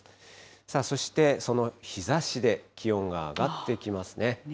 そして、その日ざしで気温が上がってきますね。